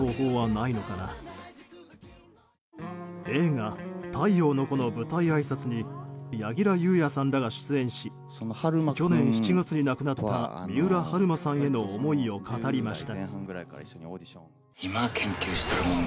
映画「太陽の子」の舞台あいさつに柳楽優弥さんらが出演し去年７月に亡くなった三浦春馬さんへの思いを語りました。